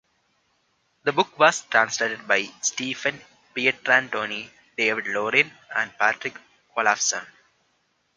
The book was translated by Stephen Pietrantoni, David Laurin and Patrick Olafson.